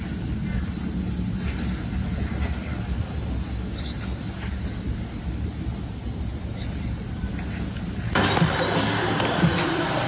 สวัสดีครับสวัสดีครับ